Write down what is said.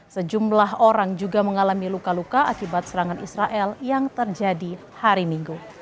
sejumlah orang juga mengalami luka luka akibat serangan israel yang terjadi hari minggu